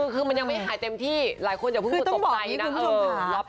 คือมันยังไม่หายเต็มที่หลายคนอย่าเพิ่งจะตกใจนะ